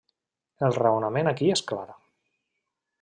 El raonament aquí és clar.